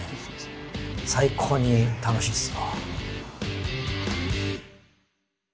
最高に楽しいっすよ。